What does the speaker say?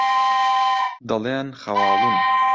دەڵێن خەواڵوون.